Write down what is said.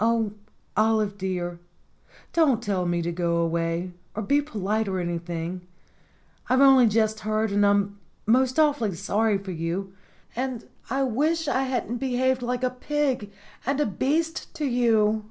"Oh, Olive dear! don't tell me to go away, or be polite or anything. I've only just heard, and I'm most awfully sorry for you. And I wish I hadn't be haved like a pig and a beast to you.